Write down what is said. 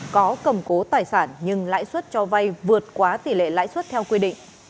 có cầm cố tài sản nhưng lãi suất cho vay vượt quá tỷ lệ lãi suất theo quy định